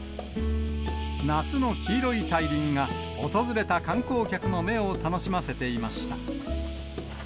夏の黄色い大輪が訪れた観光客の目を楽しませていました。